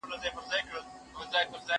زه پرون د سبا لپاره د نوي لغتونو يادوم؟!